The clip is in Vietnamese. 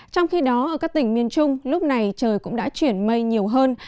trong khi đó ở các tỉnh miền trung lúc này trời cũng đã chuyển mây nhiều hơn